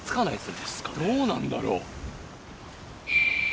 どうなんだろう。